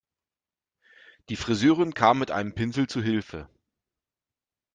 Die Friseurin kam mit einem Pinsel zu Hilfe.